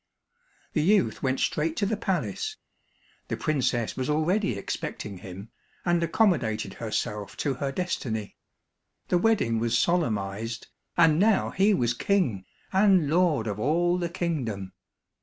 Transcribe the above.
The youth went straight to the palace. The princess was already expecting him, and accommodated herself to her destiny. The wedding was solemnized, and now he was king, and lord of all the kingdom.